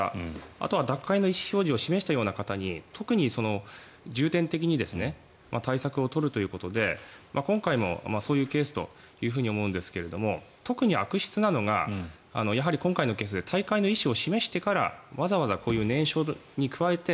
あとは脱会の意思表示を示した方に特に重点的に対策を取るということで今回も、そういうケースというふうに思うんですが特に悪質なのがやはり今回のケースで退会の意思を示してからわざわざこういう念書に加えて